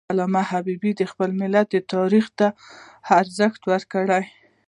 علامه حبیبي د خپل ملت تاریخ ته ارزښت ورکاوه.